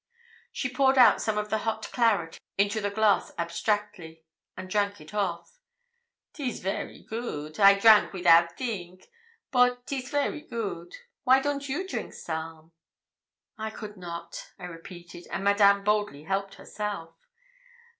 She poured out some of the hot claret into the glass abstractedly, and drank it off. ''Tis very good I drank without theenk. Bote 'tis very good. Why don't you drink some?' 'I could not', I repeated. And Madame boldly helped herself.